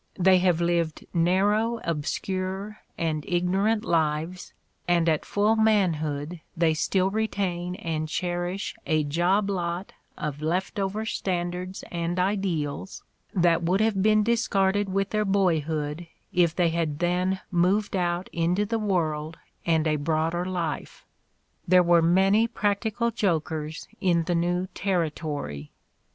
They have lived narrow, obscure and ignorant lives, and at full manhood they still retain and cherish a job lot of left over standards and ideals that would have been discarded with their boyhood if they had then moved out into the world and a broader life. There were many practical jokers in the new Terri tory."